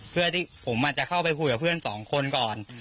เพื่อที่ผมจะเข้าไปคุยกับเพื่อนสองคนก่อน